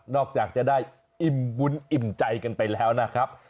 จากจะได้อิ่มบุญอิ่มใจกันไปแล้วนะครับ